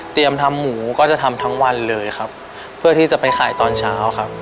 ทำหมูก็จะทำทั้งวันเลยครับเพื่อที่จะไปขายตอนเช้าครับ